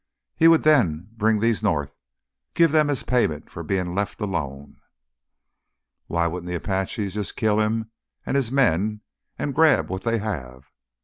He would then bring these north, give them as payment for being left alone." "Why wouldn't the Apaches just kill him and his men and grab what they have?"